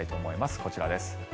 こちらです。